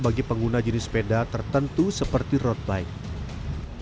bagi pengguna jenis sepeda tertentu seperti road bike